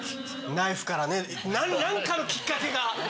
ナイフからね何かのきっかけが。